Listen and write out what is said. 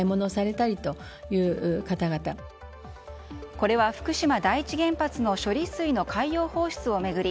これは福島第一原発の処理水の海洋放出を巡り